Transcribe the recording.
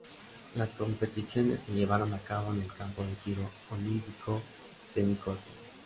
Las competiciones se llevaron a cabo en el Campo de Tiro Olímpico de Nicosia.